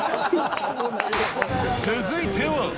続いては。